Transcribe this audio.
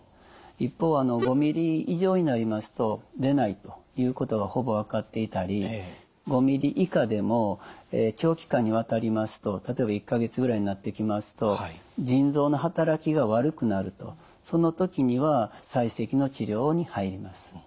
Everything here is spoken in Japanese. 一方５ｍｍ以上になりますと出ないということがほぼ分かっていたり５ｍｍ以下でも長期間にわたりますと例えば１か月ぐらいになってきますと腎臓の働きが悪くなるとその時には砕石の治療に入ります。